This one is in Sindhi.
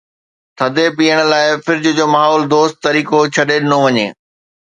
ٿڌي پيئڻ لاءِ فرج جو ماحول دوست طريقو ڇڏي ڏنو وڃي.